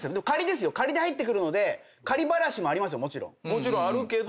もちろんあるけど。